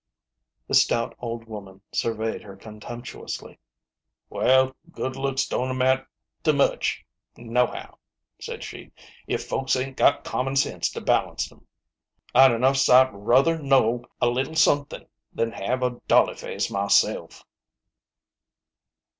The stout old woman surveyed her contemptuously. " Well, good looks don't amount to much, nohow," said she, " if folks ain't got common sense to balance 'em. I'd enough sight ruther know a leetle somethin' than have a dolly face myself."